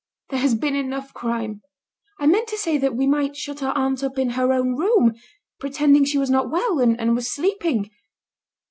There has been enough crime. I meant to say that we might shut our aunt up in her own room, pretending she was not well, and was sleeping."